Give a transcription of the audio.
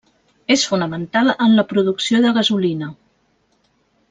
És fonamental en la producció de gasolina.